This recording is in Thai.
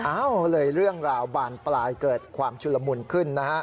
เลยเรื่องราวบานปลายเกิดความชุลมุนขึ้นนะฮะ